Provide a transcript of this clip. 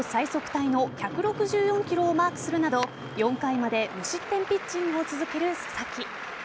タイの１６４キロをマークするなど４回まで無失点ピッチングを続ける佐々木。